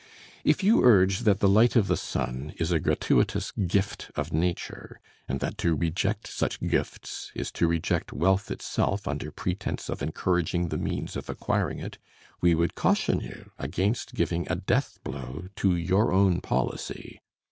If you urge that the light of the sun is a gratuitous gift of nature, and that to reject such gifts is to reject wealth itself under pretense of encouraging the means of acquiring it, we would caution you against giving a death blow to your own policy.